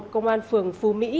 công an phường phù mỹ